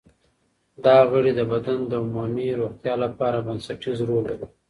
دا غړي د بدن د عمومي روغتیا لپاره بنسټیز رول لري.